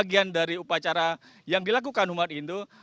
bagian dari upacara yang dilakukan umat hindu